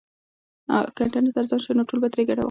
که انټرنیټ ارزانه سي نو ټول به ترې ګټه واخلي.